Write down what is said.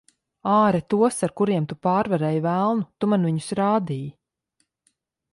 Āre tos, ar kuriem tu pārvarēji velnu. Tu man viņus rādīji.